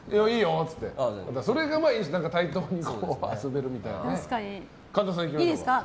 それで対等に遊べるみたいな。